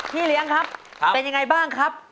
พี่เลี้ยงครับเป็นยังไงบ้างครับ